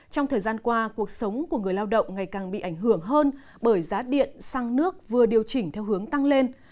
trong thời gian qua cuộc sống của người lao động ngày càng bị ảnh hưởng hơn bởi giá điện xăng nước vừa điều chỉnh theo hướng tăng lên